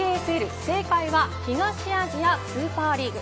ＥＡＳＬ、正解は東アジアスーパーリーグ。